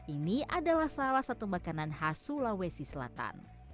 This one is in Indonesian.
ini adalah salah satu makanan khas sulawesi selatan